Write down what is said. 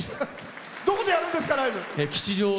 どこでやるんですか？